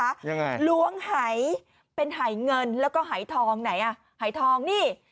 ยังไงล้วงหายเป็นหายเงินแล้วก็หายทองไหนอ่ะหายทองนี่